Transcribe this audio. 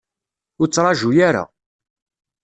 Ur ttṛaju ara.